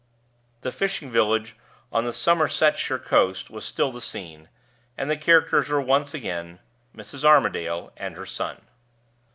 The fishing village on the Somersetshire coast was still the scene, and the characters were once again Mrs. Armadale and her son.